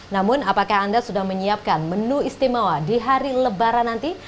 namun apakah anda sudah menyiapkan menu istimewa di hari lebaran nanti